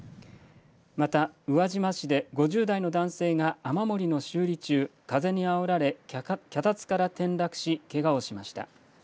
また宇和島市で５０代の男性が雨漏りの修理中、風にあおられ脚立から転落しけがをしました。